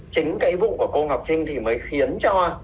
chính cái vụ của cô ngọc trinh thì mới khiến cho